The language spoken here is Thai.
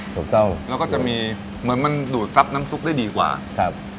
ถูกต้องแล้วก็จะมีเหมือนมันดูดซับน้ำซุปได้ดีกว่าครับ